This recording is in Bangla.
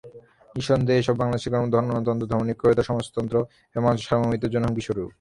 নিঃসন্দেহে এসব বাংলাদেশের গণতন্ত্র, ধর্মনিরপেক্ষতা, সমাজতন্ত্র এবং বাংলাদেশের সার্বভৌমত্বের জন্য হুমকিস্বরূপ।